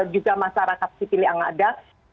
juga masyarakat sipil yang ada